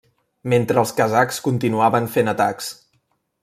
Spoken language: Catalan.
Mentre els kazakhs continuaven fent atacs.